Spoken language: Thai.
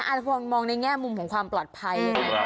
อาจจะมองในแง่มุมของความปลอดภัยไง